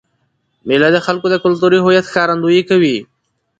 مېله د خلکو د کلتوري هویت ښکارندويي کوي.